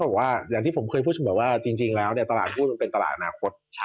เพราะหากที่ผมเคยบอกว่าจริงแล้วตลาดพูดเป็นตลาดอนาคต